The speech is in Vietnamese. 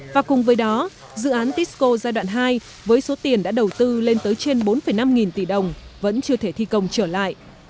và cùng với đó dự án tisco giai đoạn hai với số tiền đã đầu tư lên tới trên bốn năm nghìn tỷ đồng vẫn chưa thể thi công trở lại